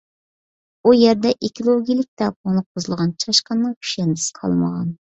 ئۇ يەردە ئېكولوگىيىلىك تەڭپۇڭلۇق بۇزۇلغان، چاشقاننىڭ كۈشەندىسى قالمىغان.